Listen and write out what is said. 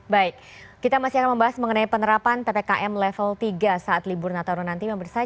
baik kita masih akan membahas mengenai penerapan ppkm level tiga saat libur nataru nanti